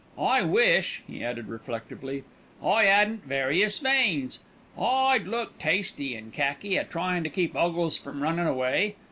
I wish," he added reflectively, "I 'adn't various veins. I'd look tasty in khaki a tryin' to keep 'Uggles from runnin' away.